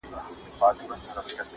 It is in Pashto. له خپله نظمه امېلونه جوړ کړم!!